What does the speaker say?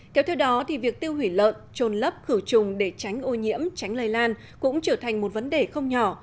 kéo theo đó việc tiêu hủy lợn trồn lấp khử trùng để tránh ô nhiễm tránh lây lan cũng trở thành một vấn đề không nhỏ